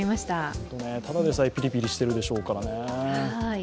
ただでさえピリピリしているでしょうからね。